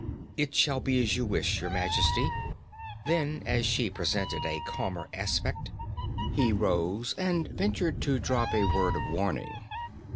'It shall be as you wish, Your Majesty.' Then as she presented a calmer aspect, he rose and ventured to drop a word of warning.